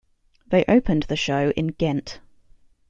They opened the show in Ghent.